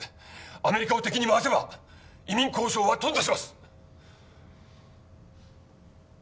アメリカを敵に回せば移民交渉は頓挫します